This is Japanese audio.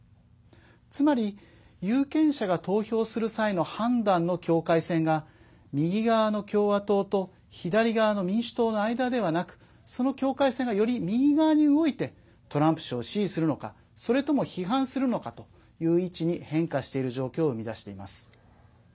つまり、有権者が投票する際の判断の境界線が右側の共和党と左側の民主党の間ではなくその境界線が、より右側に動いてトランプ氏を支持するのかそれとも批判するのかという位置に変化している状況を生み出しています。